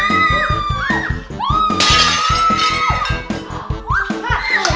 ini rumah gue